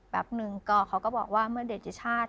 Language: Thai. แบบนึงเขาก็บอกว่าเมื่อเด็ดเดชาติ